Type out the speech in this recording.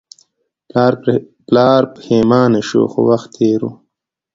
پلار پښیمانه شو خو وخت تیر و.